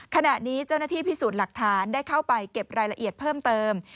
ขณะนี้เจ้าหน้าที่พิสูจน์หลักฐานได้เข้าไปเก็บรายละเอียดเพิ่มเติม